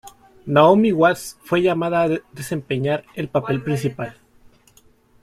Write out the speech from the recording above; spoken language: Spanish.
Naomi Watts fue llamada a desempeñar el papel principal.